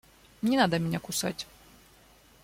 Не надо меня кусать.